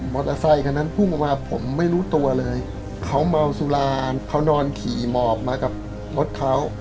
อเตอร์ไซคันนั้นพุ่งออกมาผมไม่รู้ตัวเลยเขาเมาสุราเขานอนขี่หมอบมากับรถเขา